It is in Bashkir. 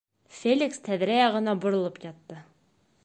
Феликс тәҙрә яғына боролоп ятты.